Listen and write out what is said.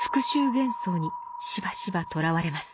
幻想にしばしばとらわれます。